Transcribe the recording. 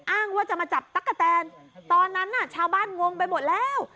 อ้างว่าจะมาจับตั๊กกะแตนตอนนั้นน่ะชาวบ้านงงไปหมดแล้ว